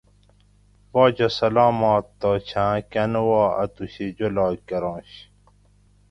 باچہ سلامت تہ چھاں کۤن وا اتوشی جولاگ کرۤنش